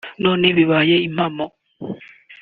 none bibaye impamo